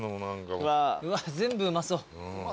うわっ全部うまそう。